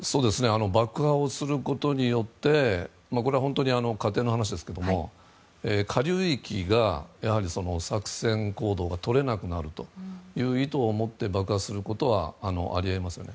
爆破をすることによってこれは仮定の話ですが下流域が作戦行動がとれなくなるという意図をもって爆破することはあり得ますね。